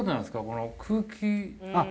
この空気あっ